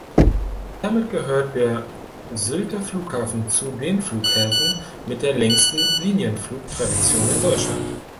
Damit gehört der Sylter Flughafen zu den Flughäfen mit der längsten Linienflug-Tradition in Deutschland.